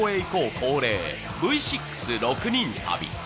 恒例、「Ｖ６６人旅」。